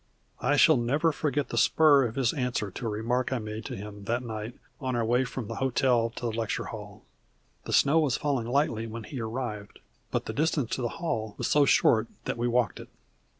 I shall never forget the spur of his answer to a remark I made to him that night on our way from the hotel to the lecture hall. The snow was falling lightly when he arrived, but the distance to the hall was so short that we walked it.